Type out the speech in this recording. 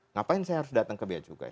ngapain saya harus datang ke bia cukai